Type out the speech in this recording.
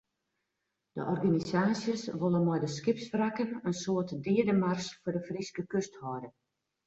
De organisaasjes wolle mei de skipswrakken in soart deademars foar de Fryske kust hâlde.